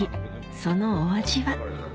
そのお味は？